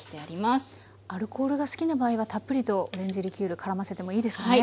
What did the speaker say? アルコールが好きな場合はたっぷりとオレンジリキュールからませてもいいですかね？